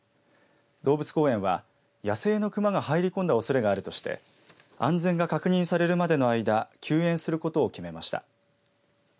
動物公園は野生の熊が入り込んだおそれがあるとして安全が確認されるまでの間休園することを決めました。